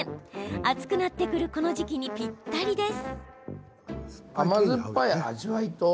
暑くなってくるこの時期にぴったりです。